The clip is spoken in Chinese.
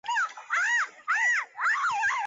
顺天府乡试第四十八名。